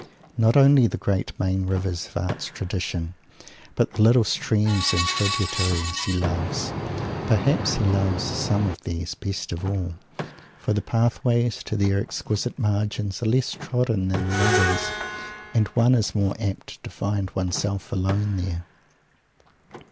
Not only the great main rivers of art's tradition, but the little streams and tributaries, he loves. Perhaps he loves some of these best of all, for the pathways to their exquisite margins are less trodden than the others, and one is more apt to find one's self alone there.